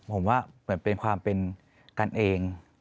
ผมว่าเหมือนเป็นความเป็นกันเอง